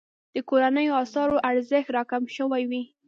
د کورنیو اسعارو ارزښت راکم شوی وي.